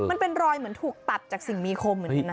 มันเป็นรอยเหมือนถูกตัดจากสิ่งมีคมเหมือนกันนะ